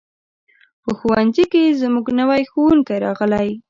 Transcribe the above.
په ښوونځي کې زموږ نوی ښوونکی راغلی دی.